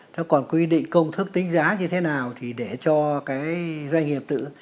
thế còn quy định công thức tính giá như thế nào thì để cho cái doanh nghiệp tự